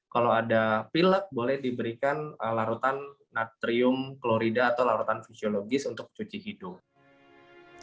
kalau ada pilek boleh diberikan larutan natrium klorida atau larutan fisiologis untuk cuci hidung